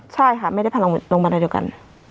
ใช่ค่ะไม่ได้โรงพยาบาลอะไรเดียวกัน